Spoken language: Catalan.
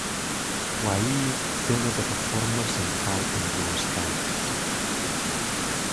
Wyee té una plataforma central amb dues cares.